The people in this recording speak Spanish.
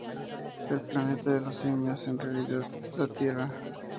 El planeta de los simios es en realidad la Tierra.